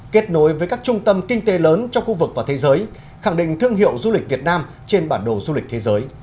kết nối với các trung tâm kinh tế lớn trong khu vực và thế giới khẳng định thương hiệu du lịch việt nam trên bản đồ du lịch thế giới